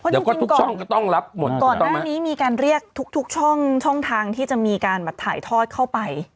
เดี๋ยวก็ทุกช่องก็ต้องรับหมดก่อนหน้านี้มีการเรียกทุกทุกช่องช่องทางที่จะมีการแบบถ่ายทอดเข้าไป